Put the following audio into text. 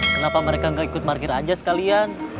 kenapa mereka nggak ikut parkir aja sekalian